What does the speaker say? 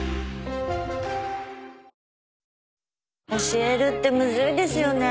教えるってむずいですよね。